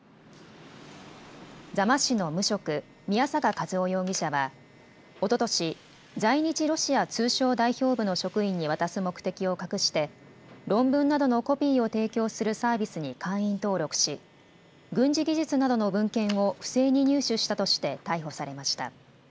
座間市の無職、宮坂和雄容疑者はおととし、在日ロシア通商代表部の職員に渡す目的を隠して論文などのコピーを提供するサービスに会員登録し軍事技術などの文献を不正に入手したとして逮捕されました。